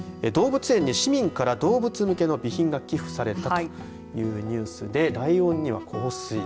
動物園に市民から動物向けの備品が寄付されたというニュースでライオンには香水。